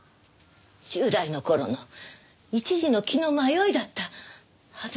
１０代の頃の一時の気の迷いだったはずなんです。